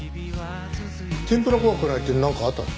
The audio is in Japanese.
「天ぷら怖くない」ってなんかあったの？